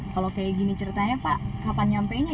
kalau kaya gini ceritanya pak kapan sampai ini ya